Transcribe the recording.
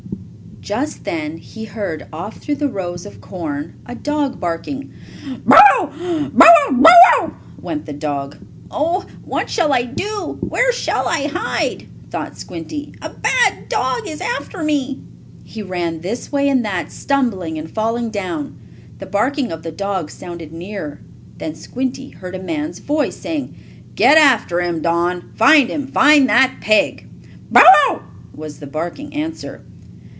Just then he heard, off through the rows of corn, a dog barking. "Bow wow! Bow wow! Bow wow!" went the dog. "Oh, what shall I do? Where shall I hide?" thought Squinty. "A bad dog is after me." He ran this way and that, stumbling and falling down. The barking of the dog sounded nearer. Then Squinty heard a man's voice saying: "Get after him, Don! Find him! Find that pig!" "Bow wow!" was the barking answer.